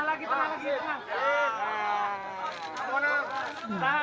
tengah tengah lagi tengah